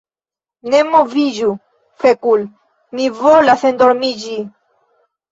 "Ne moviĝu fekul' mi volas endormiĝi